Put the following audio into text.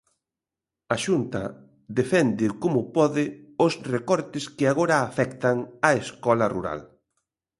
A Xunta defende como pode os recortes que agora afectan á escola rural.